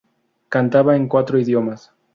Cantaba en cuatro idiomas.